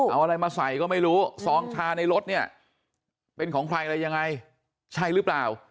เอาอะไรมาใส่ก็ไม่รู้ซองชาในรถเนี่ยเป็นของใครอะไรยังไงใช่หรือเปล่า